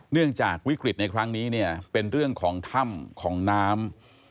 เนื่องจากวิกฤตในครั้งนี้เนี่ยเป็นเรื่องของถ้ำของน้ำ